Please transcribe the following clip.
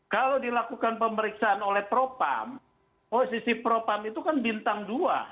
kalau dilakukan pemeriksaan oleh propam posisi propam itu kan bintang dua